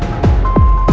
tunggu tunggu hati hati